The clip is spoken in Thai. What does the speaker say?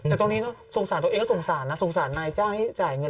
แต่ตรงนี้สงสารตัวเองก็สงสารนะสงสารนายจ้างที่จ่ายเงิน